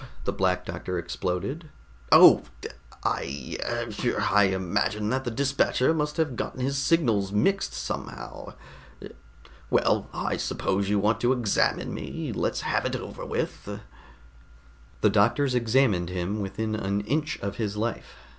_" the Black Doctor exploded. "Oh, yes. Egad! I hum! imagine that the dispatcher must have gotten his signals mixed somehow. Well, I suppose you want to examine me. Let's have it over with." The doctors examined him within an inch of his life.